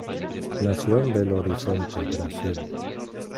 Nació en Belo Horizonte, Brasil.